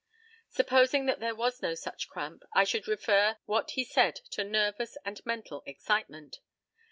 Supposing that there was no such cramp, I should refer what he said to nervous and mental excitement.